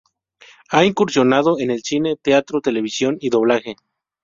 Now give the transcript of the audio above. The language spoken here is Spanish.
Ha incursionado en el cine, teatro, televisión y doblaje.